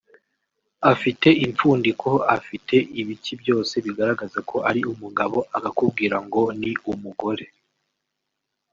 afite impfundiko afite ibiki byose bigaragaza ko ari umugabo akakubwira ngo ni umugore